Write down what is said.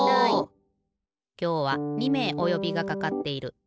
きょうは２めいおよびがかかっている。